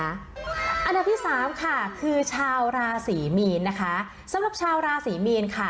อันดับที่สามค่ะคือชาวราศรีมีนนะคะสำหรับชาวราศรีมีนค่ะ